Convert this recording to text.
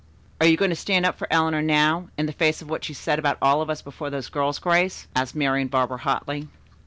"Are you going to stand up for Eleanor now, in the face of what she said about all of us before those girls, Grace?" asked Marian Barber hotly.